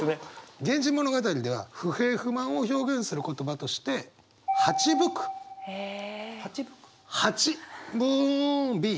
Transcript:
「源氏物語」では不平不満を表現する言葉として「蜂吹く」蜂ブンビーン。